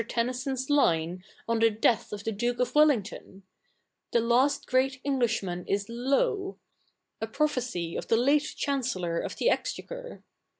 Ten7iyso?i's line on the death of the Duke of Wellingto?i, " The last great Efiglishfnan is low,"' a prophecy of the late Chancellor of the Exchequer.